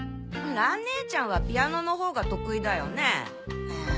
蘭ねえちゃんはピアノの方が得意だよね？